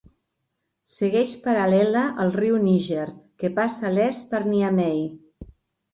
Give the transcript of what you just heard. Segueix paral·lela al riu Níger que passa a l'est per Niamey.